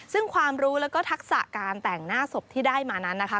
ซึ่งความรู้แล้วก็ทักษะการแต่งหน้าศพที่ได้มานั้นนะคะ